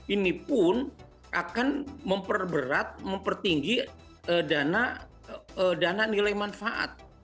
ini pun akan memperberat mempertinggi dana nilai manfaat